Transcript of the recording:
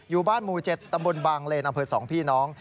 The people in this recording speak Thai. อยู่บ้านหมู่๗ตำบลบางเลนอำเภอ๒พี่น้อง